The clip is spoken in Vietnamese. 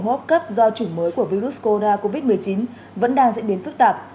góp cấp do chủng mới của virus corona covid một mươi chín vẫn đang diễn biến phức tạp